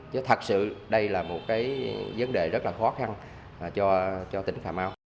với vấn đề rất là khó khăn cho tỉnh cà mau